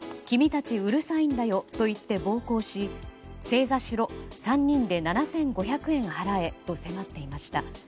君たちうるさいんだよと言って暴行し正座しろ３人で７５００円払えと迫っていました。